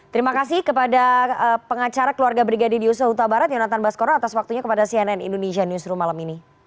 terima kasih kepada pengacara keluarga brigadir yosua huta barat yonatan baskoro atas waktunya kepada cnn indonesia newsroom malam ini